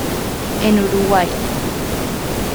En Uruguay